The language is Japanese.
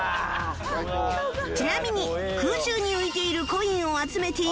ちなみに空中に浮いているコインを集めていくと